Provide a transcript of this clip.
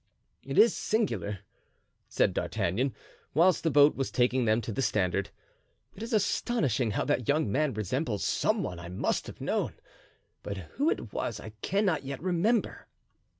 "It is singular," said D'Artagnan, whilst the boat was taking them to the Standard, "it is astonishing how that young man resembles some one I must have known, but who it was I cannot yet remember."